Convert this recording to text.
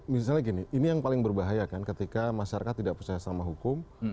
misalnya gini ini yang paling berbahaya kan ketika masyarakat tidak percaya sama hukum